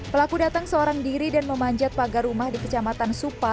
pelaku datang seorang diri dan memanjat pagar rumah di kecamatan supa